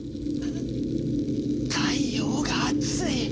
太陽が熱い！